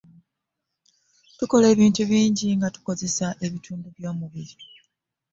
Tukola ebintu bingi nga tukozesa ebitundu by'omubiri.